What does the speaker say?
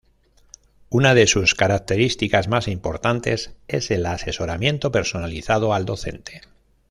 Una de sus características más importantes es el asesoramiento personalizado al docente.